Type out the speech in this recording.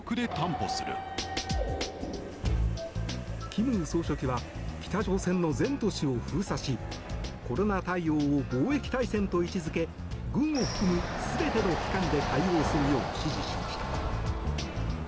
金総書記は北朝鮮の全都市を封鎖しコロナ対応を防疫大戦と位置づけ軍を含む全ての機関で対応するよう指示しました。